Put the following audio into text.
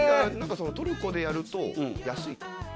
トルコでやると安いと。